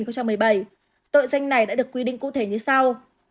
tội danh này đã được quy định cụ thể như sau